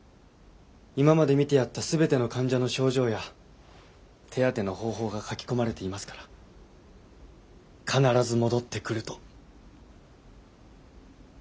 今まで診てやったすべての患者の症状や手当ての方法が書き込まれていますから必ず戻って来ると。